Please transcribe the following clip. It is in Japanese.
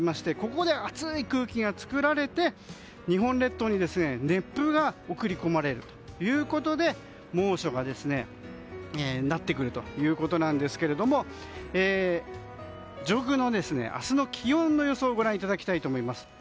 ここで熱い空気が作られて日本列島に熱風が送り込まれるということで猛暑になってくるということなんですが上空の明日の気温の予想をご覧ください。